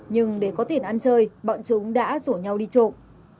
nhưng để có tiền ăn chơi bọn chúng đã rủ nhau đi trộm